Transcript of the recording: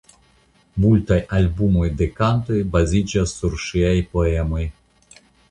Multaj albumoj de kantoj baziĝas sur ŝiaj poemoj.